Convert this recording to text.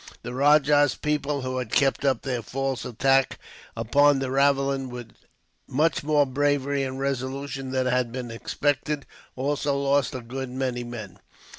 The rajah's people, who had kept up their false attack upon the ravelin with much more bravery and resolution than had been expected, also lost a good many men.